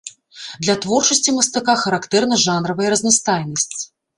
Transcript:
Для творчасці мастака характэрна жанравая разнастайнасць.